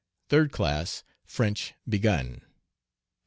Third class, French begun.